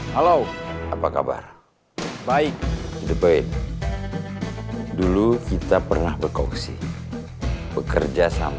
halo apa kabar baik baik dulu kita pernah berkongsi bekerja sama